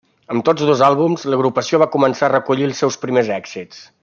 Amb tots dos àlbums, l'agrupació va començar a recollir els seus primers èxits.